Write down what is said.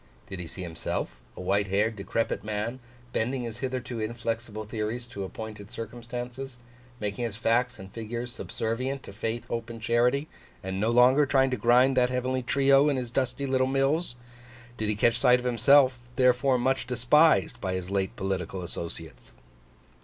Did he see himself, a white haired decrepit man, bending his hitherto inflexible theories to appointed circumstances; making his facts and figures subservient to Faith, Hope, and Charity; and no longer trying to grind that Heavenly trio in his dusty little mills? Did he catch sight of himself, therefore much despised by his late political associates?